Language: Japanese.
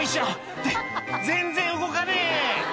「って全然動かねえ！」